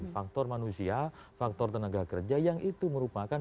faktor manusia faktor tenaga kerja yang itu merupakan